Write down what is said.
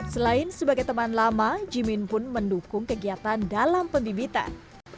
selain sebagai teman lama jimin pun mendukung kegiatan dalam pembibitan